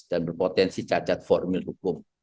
dan berpotensi cacat formil hukum